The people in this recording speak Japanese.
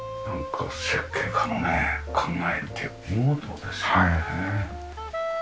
設計家の考えって見事ですね。